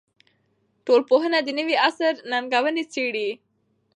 ټولنپوهنه د نوي عصر ننګونې څېړي.